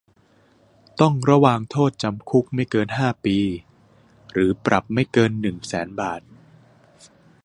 ต้องระวางโทษจำคุกไม่เกินห้าปี หรือปรับไม่เกินหนึ่งแสนบาท